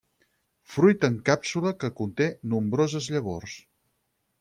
Fruit en càpsula que conté nombroses llavors.